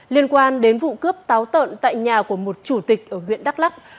liên quan đến vụ cướp táo tợn tại nhà của một chủ tịch ở huyện đắk lắc